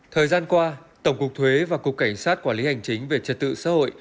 thời gian qua tổng cục thuế và cục cảnh sát quản lý hành chính về trật tự xã hội